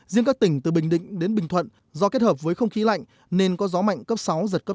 riêng các tỉnh từ bình định đến bình thuận do kết hợp với không khí lạnh nên có gió mạnh cấp sáu giật cấp tám